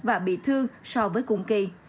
và bị thương so với cùng kỳ